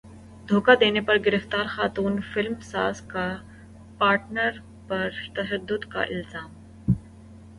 دھوکا دینے پر گرفتار خاتون فلم ساز کا پارٹنر پر تشدد کا الزام